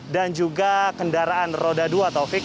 dan juga kendaraan roda dua taufik